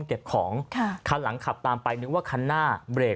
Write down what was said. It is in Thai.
เก็บของค่ะคันหลังขับตามไปนึกว่าคันหน้าเบรก